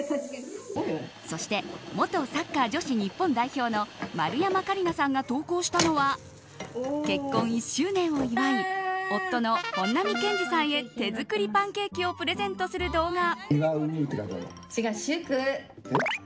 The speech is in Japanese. そして、元サッカー女子日本代表の丸山桂里奈さんが投稿したのは結婚１周年を祝い夫の本並健治さんへ手作りパンケーキをプレゼントする動画。